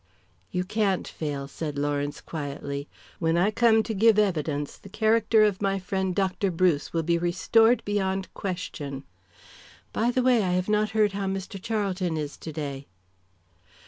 "You can't fail," said Lawrence quietly. "When I come to give evidence the character of my friend Dr. Bruce will be restored beyond question. By the way, I have not heard how Mr. Charlton is today."